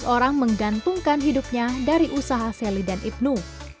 delapan ratus orang menggantungkan hidupnya dari usaha selly dan ibnu